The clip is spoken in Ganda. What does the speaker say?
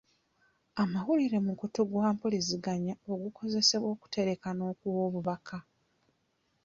Amawulire mukutu gwa mpuliziganya ogukozesebwa okutereka n'okuwa obubaka.